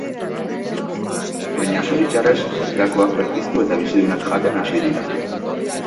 Baina, zoritxarrez, hildakoak berpiztu eta bizidunak jaten hasi dira.